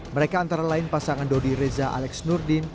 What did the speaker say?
mereka antara lain pasangan dodi reza alex nurdin